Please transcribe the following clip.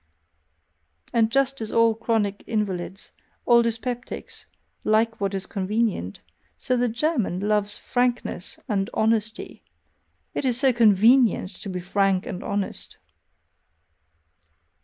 And just as all chronic invalids, all dyspeptics like what is convenient, so the German loves "frankness" and "honesty"; it is so CONVENIENT to be frank and honest!